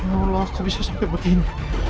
ya allah kok bisa sampai begini